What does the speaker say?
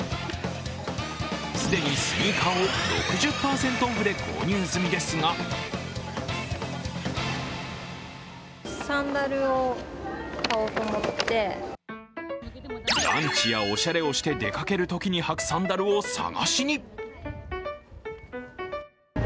既にスニーカーを６０％オフで購入済みですがランチやおしゃれをして出かけるときに履くサンダルを探しに。